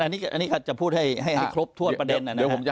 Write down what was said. อันนี้อันนี้ค่ะจะพูดให้ให้ให้ครบทั่วประเด็นน่ะนะฮะเดี๋ยวผมจะ